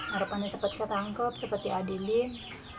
harapannya cepet ketangkep cepet diadilin